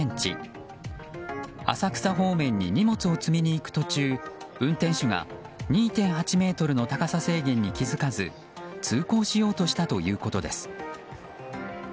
浅草方面に荷物を積みに行く途中運転手が２．８ｍの高さ制限に気づかず通行しようとしたということです。